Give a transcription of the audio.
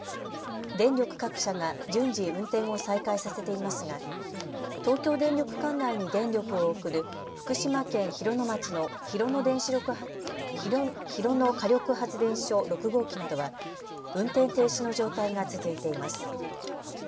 電力各社が順次運転を再開させていますが東京電力管内に電力を送る福島県広野町の広野火力発電所６号機などは運転停止の状態が続いています。